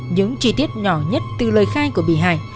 những chi tiết nhỏ nhất từ lời khai của bị hại